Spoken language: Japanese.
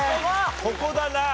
ここだな。